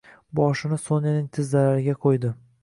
Boshini Sonyaning tizzalariga qoʻydi